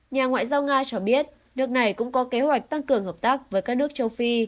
nhà ngoại giao nga cho biết nước này cũng có kế hoạch tăng cường hợp tác với các nước châu phi